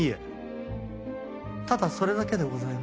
ただそれだけでございます。